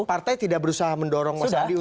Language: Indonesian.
partai tidak berusaha mendorong mas andi untuk